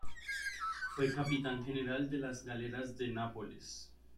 Fue capitán general de las Galeras de Nápoles.